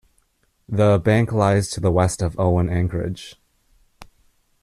The bank lies to the west of Owen Anchorage.